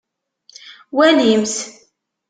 Walimt.